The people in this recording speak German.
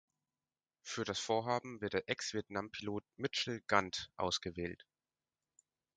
Für das Vorhaben wird der Ex-Vietnam-Pilot Mitchell Gant ausgewählt.